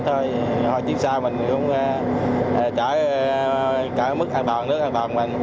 thôi hồi chiến sau mình cũng trả mức an toàn nước an toàn mình